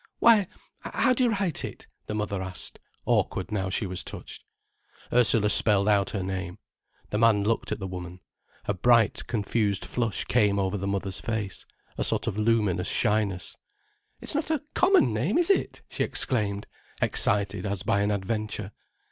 "Why, how do you write it?" the mother asked, awkward now she was touched. Ursula spelled out her name. The man looked at the woman. A bright, confused flush came over the mother's face, a sort of luminous shyness. "It's not a common name, is it!" she exclaimed, excited as by an adventure.